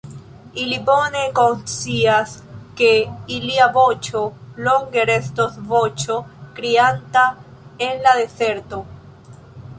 Ili bone konscias, ke ilia voĉo longe restos voĉo krianta en la dezerto.